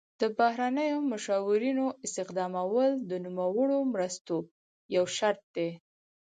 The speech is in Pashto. د بهرنیو مشاورینو استخدامول د نوموړو مرستو یو شرط دی.